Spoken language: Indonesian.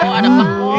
oh ada telepon